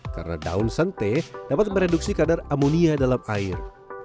karena daun sentai dapat mereduksi kadar amonia dalam air